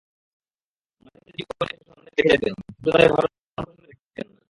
মাঝেমধ্যে জীবন এসে সন্তানদের দেখে যেতেন, কিন্তু তাদের ভরণপোষণের খরচ দিতেন না।